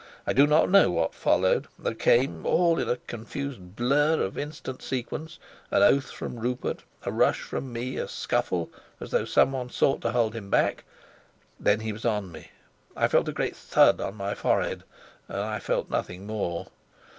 I do not know what followed; there came all in a confused blur of instant sequence an oath from Rupert, a rush from me, a scuffle, as though some one sought to hold him back; then he was on me; I felt a great thud on my forehead, and I felt nothing more.